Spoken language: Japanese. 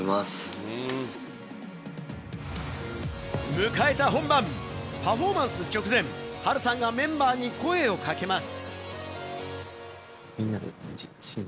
迎えた本番、パフォーマンス直前、ハルさんがメンバーに声をかけます。